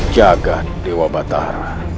jaga dewa batara